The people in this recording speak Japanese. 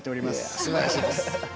すばらしいです。